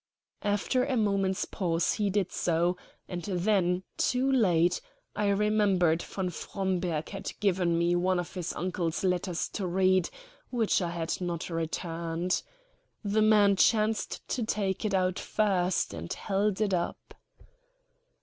After a moment's pause he did so; and then, too late, I remembered von Fromberg had given me one of his uncle's letters to read which I had not returned. The man chanced to take it out first and held it up.